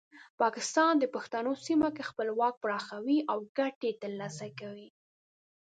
پاکستان د پښتنو سیمه کې خپل واک پراخوي او ګټې ترلاسه کوي.